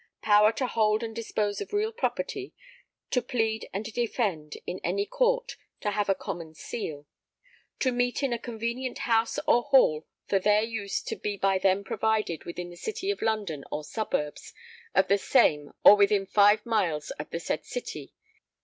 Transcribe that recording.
[Power to hold and dispose of real property; to plead and defend in any Court; to have a common seal.] [To meet in a] convenient house or hall for their use to be by them provided within the City of London or Suburbs of the same or within five miles of the said City